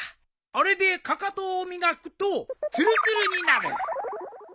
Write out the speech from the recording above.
あれでかかとを磨くとつるつるになる。